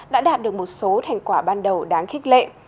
đã đạt được một số thành quả ban đầu đáng khích lệ